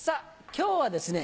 今日はですね